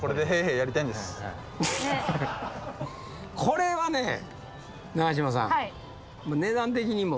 これはね永島さん。